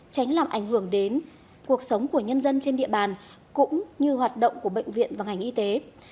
tránh làm ảnh hưởng đến cuộc sống của nhân dân trên địa bàn cũng như hoạt động của bệnh viện và ngành y tế